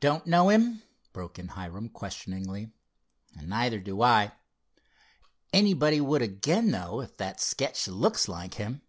"Don't know him?" broke in Hiram questioningly—"neither do I. Anybody would again, though, if that sketch looks like him.